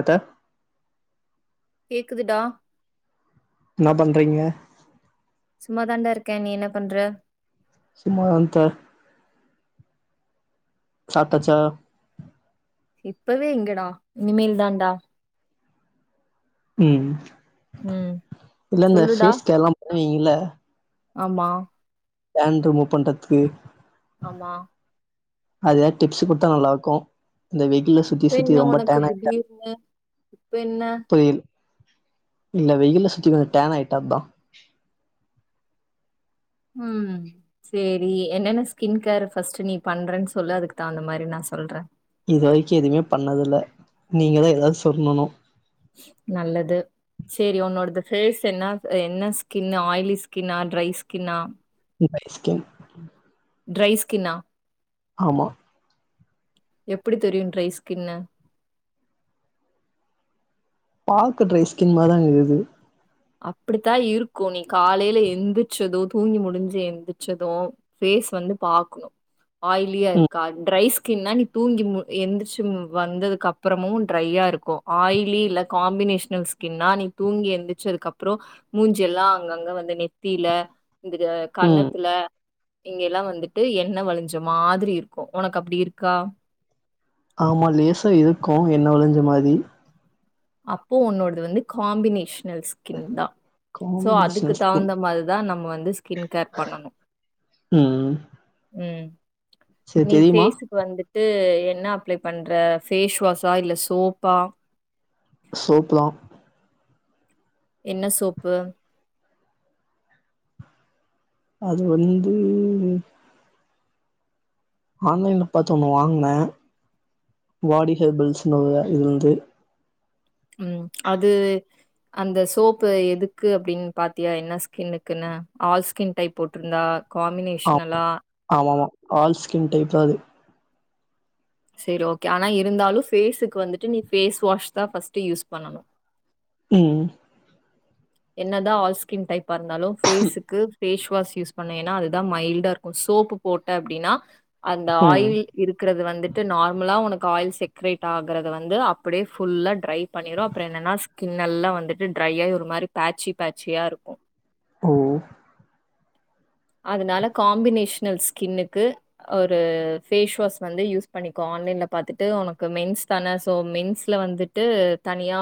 அத்த கேக்குதுடா என்ன பண்றீங்க சும்மா தான்டா இருக்கே நீ என்ன பண்ற சும்மாதா த்த சாப்ட்டாச்சா இப்பவே எங்கடா இனிமேல் தான்டா ம் ம் இதுலா இந்த சொல்லுடா ஃபேஸ் கேர்ல்லா பண்ணுவீங்கல்ல ஆமா டேன் ரிமூவ் பண்றத்துக்கு ஆமா அது எதாது டிப்ஸ் குடுத்தா நல்லா இருக்கு இந்த வெயி யிலே சுத்தி இப்ப சுத்தி என்ன ரொம்ப உனக்கு டேன் ஆயிட்டே திடீர்னு இப்ப என்ன புரியல இல்ல வெயில்ல சுத்தி கொஞ்சொ டேன் ஆயிட்டா அதா ம் சோரி என்னென்ன ஸ்கின் கேர் ஃபஸ்ட் நீ பண்றன் சொல்லு அதுக்கு தகுந்த மாரி நா சொல்றே இது வரைக்கு எதுவுமே பண்ணதில்ல நீங்கதா எதாவ் சொல்லணு நல்லது சரி உன்னோடது ஃபேஸ் என்ன அ என்ன ஸ்கின்னு ஆயிலி ஸ்கின்னா ட்ரை ஸ்கின்னா [unintelligible] ட்ரை ஸ்கின்னா ஆமா எப்டி தெரியு ட்ரை ஸ்கின்னு பாக்க ட்ரை ஸ்கின் மாரிதாருக்குது அப்டித்தா இருக்கும் நீ காலையில எந்திரச்சதும் தூங்கி முடிஞ்சு எந்திரிச்சதும் ஃபேஸ் வந்து பாக்கணும் ஆய்லியா ம் இருக்கா ட்ரை ஸ்கின்னா நீ தூங்கி மு எந்திரிச்சி வந்ததுக்கப்பறமு ட்ரையாருக்கு ஆயிலே இல்ல காம்பினேஷனல்ஸ் கின்னா நீ தூங்கி எந்தி ச்சதுக்கப்புறோ மூஞ்சியெல்லா அங்கங்க வந்து நெத்தில இந்த க ம் கன்னத்துல இங்கெல்லா வந்துட்டு எண்ண வழிஞ்ச மாதிரி இருக்கு உனக்கு அப்டி இருக்கா ஆமா லேசா இருக்கு எண்ண வழுஞ்ச மாரி அப்போ உன்னோடது வந்து காம்பினேஷனல் ஸ்கின் தா சோ அதுக்கு காம்பினேஷன் ஸ்கின் தகுந்த மார்தா நம்ம வந்து ஸ்கின் கேர் பண்ணனு ம் ம் சரி நீ தெரியுமா ஃபேஸுக்கு வந்துட்டு என்ன அப்ளே பண்ற ஃபேஸ் வாஷா இல்ல சோப்பா சோப்பு தா என்ன சோப்பு அது வந்து ஆன்லைன்ல பாத்து ஒன்னு வாங்குனே பாடி ஹெர்பல்ஸ்னு வ ஒரு இது ம் அது அந்த சோப்பு எதுக்கு அப்டின்னு பாத்தியா என்ன ஸ்கின்னுக்குன்னு ஆல் ஸ்கின் டைப் போட்டிருந்தா காம்பினேஷ்னலா ஆம ஆமா ஆல் ஸ்கின் டைப்தா அது சரி ஓகே ஆனா இருந்தாலும் ஃபேஸுக்கு வந்துட்டு நீ ஃபேஸ் வாஷ் தா ஃபர்ஸ்ட் யூஸ் பண்ணணும் ம் என்னதா ஆல் ஸ்கின் டைப்பா இருந்தாலும் ஃபேஸுக்கு ஃபேஸ் வாஷ் யூஸ் பண்ண ஏன்னா அதுதா மைல்டா இருக்கும் சோப்பு போட்ட அப்டின்னா அந்த ம் ஆயில் இருக்கிறது வந்துட்டு நார்மலா உனக்கு ஆயில் செக்ரேட் ஆகுறது வந்து அப்டியே ஃபுல்லா ட்ரை பண்ணிடும் அப்புற என்னன்னா ஸ்கின்ல்லா வந்துட்டு ட்ரைையாயி ஒரு மாரி பேச்சி பேச்சியா இருக்கும் ஓ அதனால காம்பினேஷனல் ஸ்கின்னுக்கு ஒரு ஃபேஸ் வாஷ் வந்து யூஸ் பண்ணிக்கோ ஆன்லைன்ல பாத்துட்டு உனக்கு மென்ஸ் தான சோ மென்ஸ்ல வந்துட் டு தனியா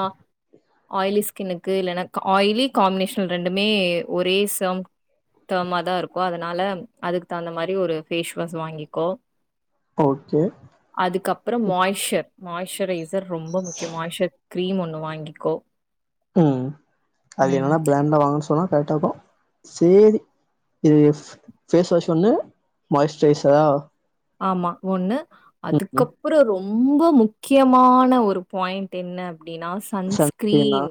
ஆயிலி ஸ்கின்னுக்கு இல்லனா ஆயிலி காம்மினேஷன் ரெண்டுமே ஒரே சேம் தா மா தா இருக்கு அதனால அதுக்கு தகுந்த மாரி ஒரு ஃபேஸ் வாஷ் வாங்கிக்கோ ஓகே அதுக்கப்புறம் மாய்ஸர் மாய்ஸ்சரைசர் ரொம்ப முக்கியம் மாய்ஸர் கிரீம் ஒண்ணு வாங்கிக்கோ ம் அது ம். என்னன்னா ஃபிராண்டா வாங்க சொன்னா கரெக்டா இருக்கு சேரி இது ஃபேஸ் வாஷ் ஒன்னு மாய்ஸ்டுரைசரா ஆமா ஒண்ணு அதுக்கப் அப்புறம் ரொம்ப முக்கியமான ஒரு ஃபாயிண்ட் என்னா அப்படின்னா ஸ் சன்ஸ் ஸ்கிரீனா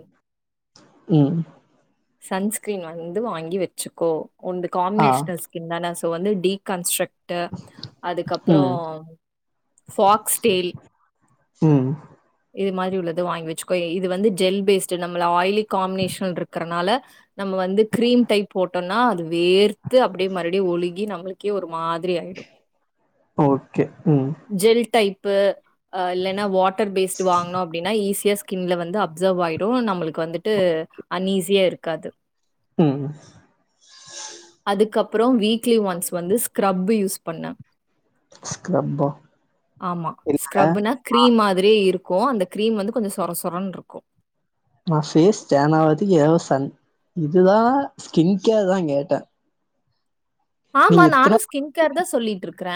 ம் சன்ஸ்கிரீன வந்து வாங்கி வச்சுக்கோ ஒன்து ஆ காம்மினேஷனல் ஸ் இந்தனா சோ வந்து டீ கன்ஸ்ட்ரக்ட் டு ம் அதுக்கப்புறம் ஃபாக்ஸ் டெயில் ம் இது மாரி உள்ளத வாங்கி வச்சுக்கோ இது வந்து ஜெல் ஃபேஸ்டு நம்மள ஆயிலி காம்மினேஷன் இருக்கிறனால நம்ம வந்து கிரீம் டைப் போட்டோனா அது வேர்த்து அப்படியே மறுபடி ஒழுகி நம்மளுக் கே ஒரு மாதிரி ஆயிடும் ஓகே ம் ஜெல் டைப்பு அ இல்லன்னா வாட்டர் ஃபேஸ்ட் வாங்கனோ அப் ப்டினா ஈஸியா ஸ்கின்ல வந்து அப்சர்வ் ஆயிடும் நம்மளுக்கு வந்துட்டு அன்ஈஸியா இருக்காது ம் அதுக்கப்புறம் வீக்லி ஒன்ஸ் வந்து ஸ்கிரப்பு யூஸ் பண்ணு ஸ்க்ரப்பா ஆமா இல்ல ஸ்கரப்னா கிரீம் மாதிரியே இருக் கு அந்த கிரீம் வந்து கொஞ்சோ சொர சொரன்னு இருக்கும் நான் ஃபேஸ் ஸ்டேன் ஆகுதுக்கு ஏதவ சன் இதுவா ஸ்கின் கேர் தான் கேட்டேன் ஆமா நானும் ஸ்கின் கேர் தான் சொல்லிட்டு இருக்கற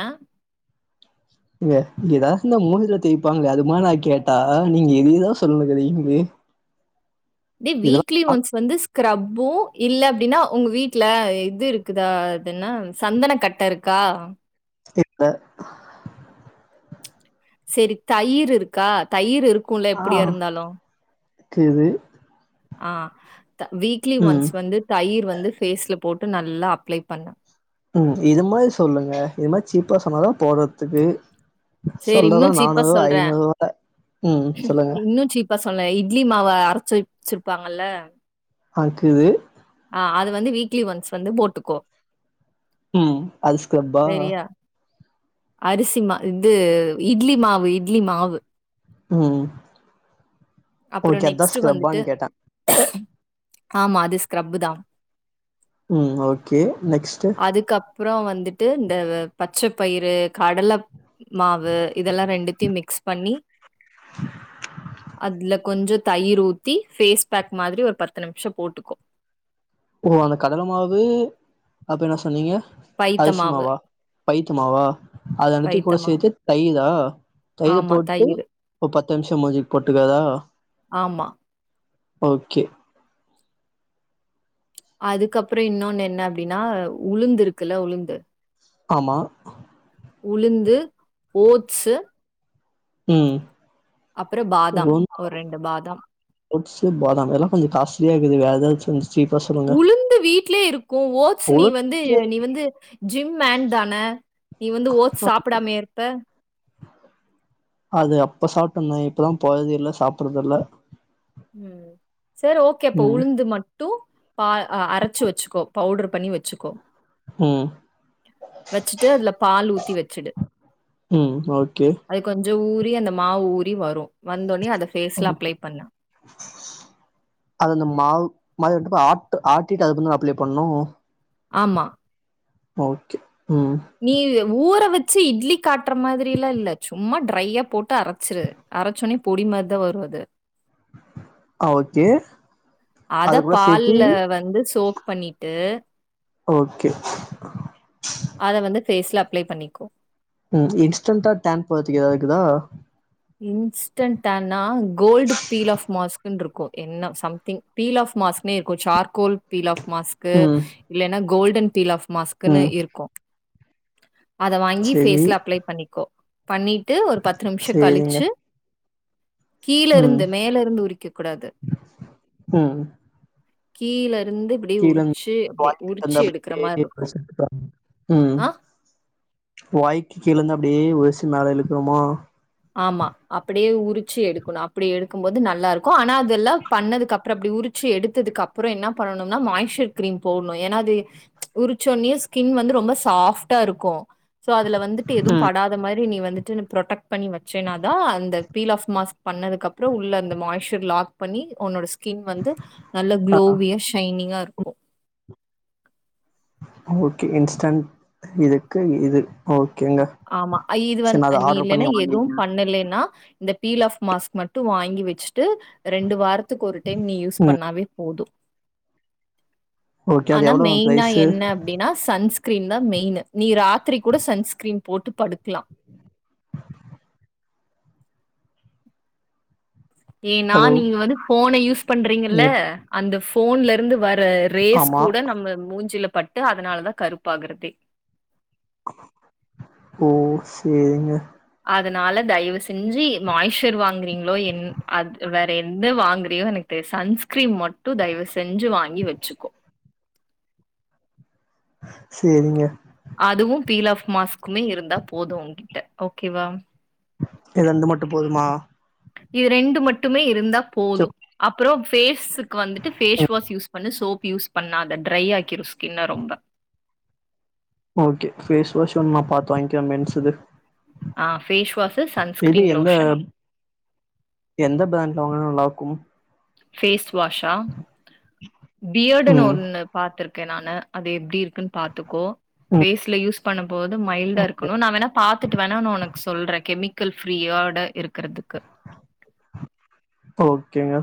இங்க ஏதாச்சுனா இந்த மூஞ்சில தேய்பாங்கல்ல அது மாரி நா கேட்டா நீங்க என்னனமோ சொல்லுறீங்க இது வீக்லி ஒன்ஸ் வந்து ஸ்க்ரப்பும் இல்ல அப்டின்னா உங்க வீட்ல இது இருக்குதா அதென்ன சந்தன கட்டை இருக்கா இப்ப சரி தயிர் இருக்கா தயிர் இருக் குல ஆ எப்படியா இருந்தாலு இது ஆ த வீக்லி ம் ஒன்ஸ் வந்து தயிர் வந்து ஃபேஸ்ல போட்டு நல்லா அப்ளை பண்ணு ம் இது மாரி சொல்லுங்க இது மாரி சீப்பாக சொன்னாதா போடறதுக்கு சரி சொல்றத இன்னும் சீப்பா நானூறு சொல்றேன். ஐநூறு ரூவால ம் சொல்லுங்க இப்ப சொன்ன இட்லி மாவை அரைச்சு வச் வச்சிருப்பாங்கல்ல ஆ கீது ஆ அது வந்து வீக்லி ஒன்ஸ் வந்து போட்டுக்கோ ம் அது ஷ்கிரப் சரியா அரிசி மா இது இட்லி மாவு இட்லி மாவு ம் அப்புறம் ஓகே அதா நெக்ஸ்ட் வந்துட்டு ஸ்கிரப்பானு கேட்டே ஆமா அது ஸ்கரப்பு தா ம் ஓகே நெக்ஸ்ட் அதுக்கப்புறம் வந்துட்டு இந்த பச்சை பயிறு கடலைப் மாவு இதல்லா ரெண்டுத்தியும் மிக்ஸ் பண்ணி அதுல கொஞ்சோ தயிர் ஊத்தி ஃபேஸ் பேக் மாதிரி ஒரு பத்து நிம்ஷம் போட்டுகோ ஓ அந்த கடல மாவு அப்ப என்ன சொன்னீங்க பைத்தமாவு பைத்துமாவா அத ரெண்டுதியு கூட மாவு. சேத்து தயிரா தயிரு ஆமா போட்டு தயிரு. ஒரு பத்து மூஞ்சுக்கு போட்டுகறதா ஆமா ஓகே அதுக்கப்றம் இன்னொன்னு என்ன அப்டின்னா உளுந்து இருக்குல உளுந்து ஆமா உளுந்து ஓட்சு ம் அப்றம் பாதாம் ஒரு ரெண்டு பாதாம் ஓட்சு பாதாம் எல்லாம் கொஞ்சோ காஸ்ட்லியா இருக்குது வேற எதாச்சும் உளுந்து வீட்லயே இருக்கும் ஓட்ஸ் நீ உளுந்து வந்து வீட்ல நீ வந்து ஜிம் மேன் தானே நீ வந்து ஓட்ஸ் சாப்டாமையா இருப்ப அது அப்ப சாப்ட்டுந்தே இப்பதான் போறது இல்ல் சாப்றது இல்ல ம் சரி ஓகே அப்ப ம் உளுந்து மட்டும் பா அரச்சு வச்சுகோ பவுடர் பண்ணி வச் சுக்கோ ம் வச்ட்டு அதுல பால் ஊத்தி வச்சுடு ம் ஓகே அது கொஞ்சோ ஊறி அந்த மாவு ஊறி வரும் வந்தோனே அத ஃபேஸ்ல அப்ளே பண்ணு [inaudible] அது அந்த மாவு மாரிருக்கப்ப ஆட் ஆட்டிட்டு அதுந்து அப்ளை பண்ணு ஆமா ஓகே ம் நீ ஊற வச்சு இட்லி காட்டுற மாதிரிலா இல்ல சும்மா டிரையா போட்டு அரைச்சுரு அரைச்சோன்னே பொடி மாரிதா வரு அது ஆ ஓகே அத அது கூட சேத்தி பால்ல வந்து சோப் பண்ணிட்டு ஓகே அத வந்து ஃபேஸ்ல அப்ளே பண்ணிக்கோ ம் இன்ஸ்டன்டா டேன் போறதுக்கு ஏதாதுக்குதா இன்ஸ்டன்ட்டானா கோல்டு பீல் ஆஃப் மாஸ்குனு இருக்கும் என்ன சம்திங் பீல் ஆஃப் மாஸ்க்னே இருக்கும் சார்கோல் பீல் ஆஃப் மாஸ்க் க்கு ம் இல்லன்னா கோல்டன் பீல் ஆப் மாஸ்க்கன்னு ம் இருக்கும் அத வாங்கி சரி ஃபேஸ்ல அப்ளை பண்ணிக்கோ பண்ணிட்டு ஒரு பத்து நிமிஷம் கழிச் சரிங்க ம் கீழருந்து மேலருந்து உரிக்கக் கூடாது ம் கீழருந்து இப்டி கீழருந்து மாரி வாங்கிட்டு இருக்கும். [inaudible] ஆ ம் வாய்க்கு கீழருந்து அப்டியே வெச்சி மேல இழுக்குறோமா ஆமா அப்டியே உரிச்சு எடுக்கணு அப்டி எடுக்கும்போது நல்லாருக்கு ஆனா அதெல்லா பண்ணதுக்கப்புற இப்டி உரிச்சு எடுத்ததுக்கப்புற என்ன பண்ணனும்னா மாயிஸ்சர் க்ரீம் போட்ணு ஏன்னா அது உரிச்சோன்னே ஸ்கின் வந்து ரொம்ப சாஃப்ட்டா இருக்கு சோ அதுல வந்துட்டு எதுவு ம் படாத மாரி நீ வந்துட்டு ப்ரொடெக்ட் பண்ணி வச்சேன்னா தா அந்த பீல் ஆஃப் மாஸ்க் பண்ணதுக்கப்புற உள்ள அந்த மாய்சர் லாக் பண்ணி உன்னோட ஸ்கின் வந்து நல்ல ஆ குளோவியா ஷைனிங்கா இருக் ஓகே இன்ஸ்டன் இதுக்கு இது ஓகேங்க ஆமா ஆ இது சரி வந் நான் அத நீ ஆர்டர் பண்ணி இல்லன்னா எதுவும் வாங்கிக்கிறேன் பண்ணலேன்னா இந்த பீல் ஆஃப் மாக்ஸ் மட்டு வாங்கி வச்சுட்டு ரெண்டு வாரத் துக்கு ஒரு டைம் நீ யூஸ் ம் பண்ணாவே போது ஓகே அது ஆனா எவ்வளோ மெயினா ப்ரைஸு என்ன அப்டின்னா சன்ஸ்கிரீன் தா மெயினு நீ ராத்திரி கூட சன்ஸ்கிரீன் போட்டு படுக்கலா ஏன்னா ஹலோ நீங்க வந்து ஃபோன யூஸ் பண்றீங்கல்ல நீங்க அந்த ஃபோன்ல இருந்து வர ரேஸ் ஆமா கூட நம்ம மூஞ்சில பட்டு அதனாலதா கருப்பாகறதே ஓ செரிங்க அதனால தயவு செஞ்சு மாய்ஷர் வாங்குறீங்களோ என் அ வே ம் எந்த வாங்குறீயோ எனக் தெரி சன்ஸ்கிரீம் மட்டு தயவு செஞ்சு வாங்கி வச்சுக்கோ சேரிங்க அதுவும் பீல் ஆஃப் மாஸ்க்குமே இருந்தா போது உங்கிட்ட ஓகேவா இது ரெண்டு மட்டு போதுமா இது ரெண்டு மட்டுமே இருந்தா போது சரி அப்புற ஃபேஸுக்கு வந்துட்டு ஃபேஸ் வாஷ் யூஸ் பண்ணு சோப் யூஸ் பண்ணாத ட்ரை ஆக்கிரு ஸ்கின்ன ரொம்ப ஓகே ஃபேஸ் வாஷ் ஒன் நா பாத்து வாங்கிக்கிற மென்ஸ் இது ஆ ஃபேஸ் வாஷு இது சன்ஸ்கிரீன் எந்த லோஷனா எந்த ப்ராண்ட்ல வாங்குனா நல்லாருக்கும் ஃபேஸ் வாஷா பியர்டுனு ம். ஒன்னு பாத்துருக்க நானு அது எப்டி இருக்குன்னு பாத்துக்கோ ம். ஃபேஸ்ல யூஸ் பண்ணும் போது மைல்டா இருக்கணு நா வேணா பாத்துட்டு வேணா நா ஒனக்கு சொல்றே கெமிக் க்கல் ஃப்ரீயோட இருக்கறதுக்கு தோ ஓக்கேங்க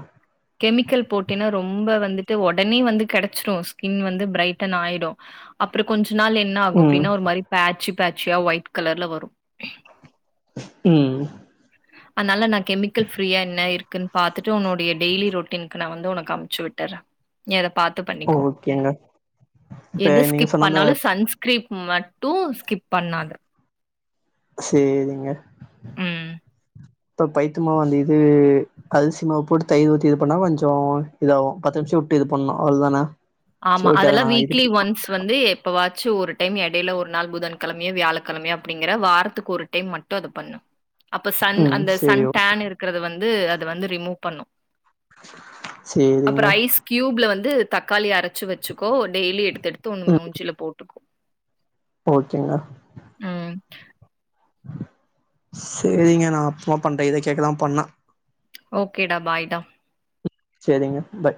கெமிக்கல் போட்டுனா ரொம்ப வந்துட்டு ஒடனே வந்து கெடைச்சிரு ஸ்கின் வந்து ப்ரைட்டன் ஆயிடூ அப்றோ கொஞ்ச நாள் என்ன ஆகூ ம். அப்டின்னா ஒரு மாரி பேஜ் பேஜ்சியா ஒயிட் கலர்ல வரு ம் அன்னால நா கெமிக்கல் ஃப்ரீயா என்ன இருக்குன் பாத்துட்டு உன்னுடைய டெய்லி ரொட்டீன்க்கு நா வந்து உனக்கு அம்ச்சு விட்டுற நீ அத பாத்து பண்ணிக்கோ ஓகேங்க. இப்ப எது நீங்க ஸ்கிப் சொன்ன அந்த பண்ணாலு சன்ஸ் கிரீப் மட்டு ஸ்கிப் பண்ணாத சேரிங்க ம் அக்கா பயித்தமாவு அந்த இது அரிசிமாவு போட்டு தயிர் ஊத்தி இது பண்ணா கொஞ்சோ இதாவு பத்து நிமிஷ விட்டு இது பண்ணு அவ்ளோதானே ஆமா அதெல்லா வீக்லி ஒன்ஸ் வந்து எப்பவாச்சு ஒரு டைம் எடையில ஒரு நாள் புதன்கிழமையோ வியாழக்கிழமையோ அப்டிங்கற வாரத்துக்கு ஒரு டைம் மட்டு அத பண்ணு அப்ப சன் ம். அந்த சரி சன் ஓ டேன் இருக்கறத வந்து அது வந்து ரிமூவ் பண்ணு அப்ப சேரிங்க. ஐஸ் கியூப்ல வந்து தக்காளி அரைச் சு வச்சுக்கோ டெய்லி எடுத்து எடுத்து ஒண்ணு மூஞ்சில போட்டுக்கோ ஓக்கேங்க ம் செரிங்க நா அப்பமா பண்றே இத கேக்கதா பண்ணா ஓக்கேடா பாய்டா செரிங்க ப